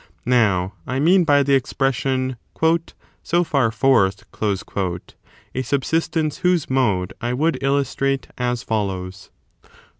Now, I mean by the expression ^' so far forth a subsistence whose mode I would illustrate as follows.